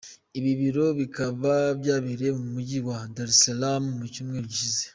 Ibi birori bikaba byabereye mu mujyi wa Dar es salaam mu cyumweru gishize.